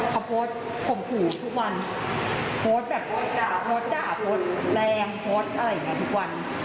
เขาโพสต์ข่มขู่ทุกวันโพสต์แบบโพสต์ด่าโพสต์แรงโพสต์อะไรอย่างนี้ทุกวัน